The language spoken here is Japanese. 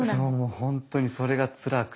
本当にそれがつらくて。